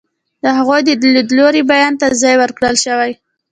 د هغوی د لیدلوري بیان ته ځای ورکړل شوی.